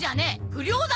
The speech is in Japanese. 不良だ！